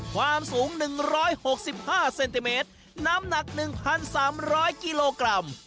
ความสูงหนึ่งร้อยหกสิบห้าเซนติเมตรน้ำหนักหนึ่งพันสามร้อยกิโลกรัม